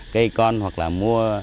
cây con hoặc là mua